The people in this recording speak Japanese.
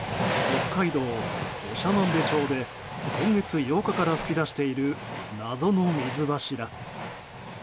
北海道長万部町で今月８日から噴き出している謎の水柱。